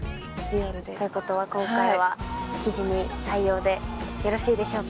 ということは今回は記事に採用でよろしいでしょうか？